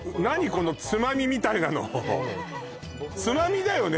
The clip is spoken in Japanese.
このつまみみたいなのつまみだよね？